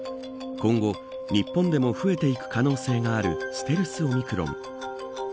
今後日本でも増えていく可能性がある、ステルスオミクロン。